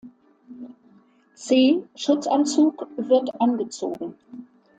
C-Schutzanzug wird angezogen.